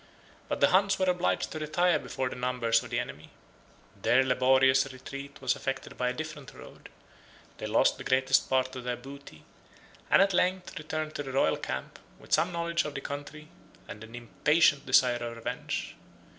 But the Huns were obliged to retire before the numbers of the enemy. Their laborious retreat was effected by a different road; they lost the greatest part of their booty; and at length returned to the royal camp, with some knowledge of the country, and an impatient desire of revenge.